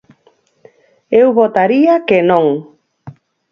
Eu votaría que non.